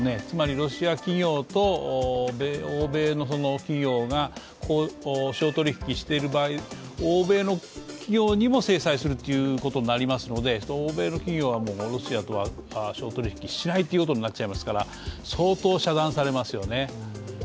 つまりロシア企業と欧米の企業が商取引している場合、欧米の企業にも制裁するということになりますので欧米の企業はロシアとは商取引しないということになっちゃいますから相当遮断されますよね。